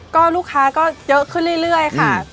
ก็ลูกค้าก็เยอะขึ้นเรื่อยค่ะ